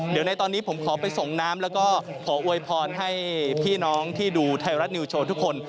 เดี๋ยวในตอนนี้ผมขอไปส่งน้ำแล้วก็ขออวยพรให้พี่น้องที่ดูไทยรัฐนิวโชว์ทุกคน